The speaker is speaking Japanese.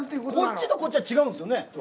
こっちとこっちは違うんですよね？